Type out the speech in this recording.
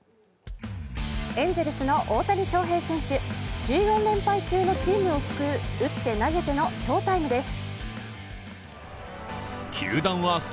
エンゼルスの大谷翔平選手、１４連敗中のチームを救う、打って、投げての翔タイムです。